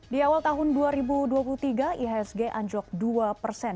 di awal tahun dua ribu dua puluh tiga ihsg anjok dua persen